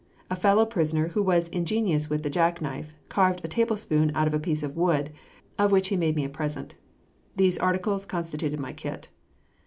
A fellow prisoner who was ingenious with the jackknife, carved a tablespoon out of a piece of wood, of which he made me a present. These articles constituted my kit.